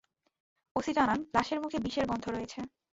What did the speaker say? OC C, লাশের মুখে বিষের গন্ধ রয়েছে।